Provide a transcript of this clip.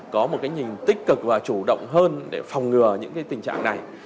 có một cái nhìn tích cực và chủ động hơn để phòng ngừa những cái tình trạng này